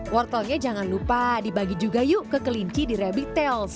wortelnya jangan lupa dibagi juga yuk ke kelinci di rabbit tales